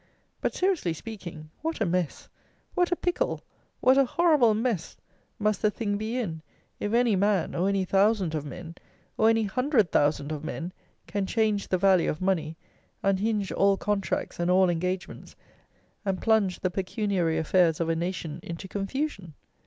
But, seriously speaking, what a mess, what a pickle, what a horrible mess, must the thing be in, if any man, or any thousand of men, or any hundred thousand of men, can change the value of money, unhinge all contracts and all engagements, and plunge the pecuniary affairs of a nation into confusion?